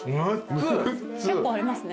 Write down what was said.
結構ありますね。